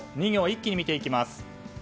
２行を一気に見ていきます。